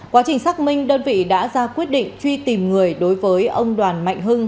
quá trình xác minh đơn vị đã ra quyết định truy tìm người đối với ông đoàn mạnh hưng